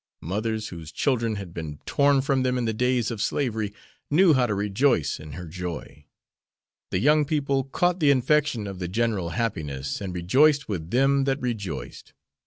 Mothers whose children had been torn from them in the days of slavery knew how to rejoice in her joy. The young people caught the infection of the general happiness and rejoiced with them that rejoiced.